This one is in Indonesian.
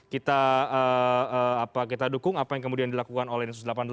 kita dukung apa yang kemudian dilakukan oleh densus delapan puluh delapan